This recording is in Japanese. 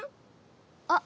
あっ！